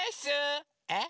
えっ？